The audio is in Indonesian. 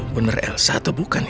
bener elsa atau bukan ya